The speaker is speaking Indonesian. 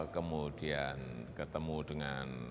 kemudian ketemu dengan